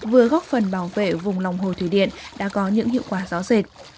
vừa góp phần bảo vệ vùng lòng hồ thủy điện đã có những hiệu quả rõ rệt